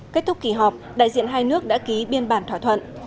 kết thúc kỳ họp đại diện hai nước đã ký biên bản thỏa thuận